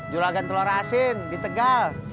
julagan telur asin di tegal